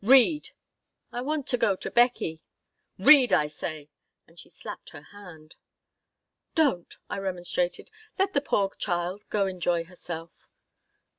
"Read!" "I want to go to Beckie." "Read, I say." And she slapped her hand "Don't," I remonstrated. "Let the poor child go enjoy herself."